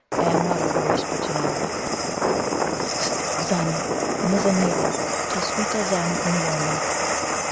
And Mutta would whisper to Nod: "Sst, zun nizza neela, tus weeta zan nuome."